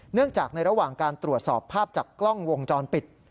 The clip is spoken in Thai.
เนื่องจากในระหว่างการตรวจสอบภาพจากกล้องวงจรปิด